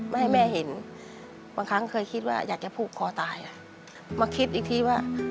ไม่ให้แม่เห็นบางครั้งเคยคิดว่าอยากจะผูกคอตายมาคิดอีกทีว่า